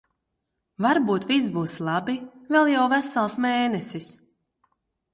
Varbūt viss būs labi? Vēl jau vesels mēnesis.